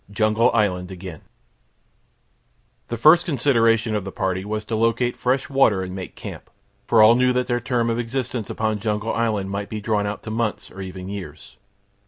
Jungle Island Again The first consideration of the party was to locate fresh water and make camp, for all knew that their term of existence upon Jungle Island might be drawn out to months, or even years.